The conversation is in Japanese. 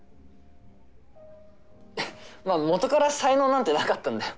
まあ元から才能なんてなかったんだよ。